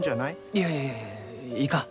いやいやいやいかん。